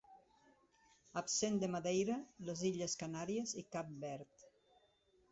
Absent de Madeira, les Illes Canàries i Cap Verd.